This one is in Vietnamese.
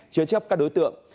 chứa chấp các đối tượng